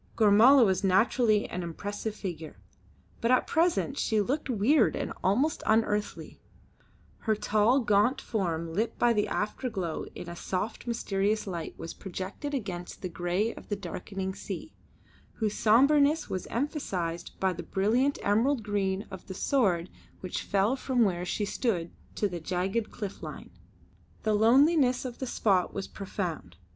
Gormala was naturally an impressive figure, but at present she looked weird and almost unearthly. Her tall, gaunt form lit by the afterglow in a soft mysterious light was projected against the grey of the darkening sea, whose sombreness was emphasised by the brilliant emerald green of the sward which fell from where we stood to the jagged cliff line. The loneliness of the spot was profound.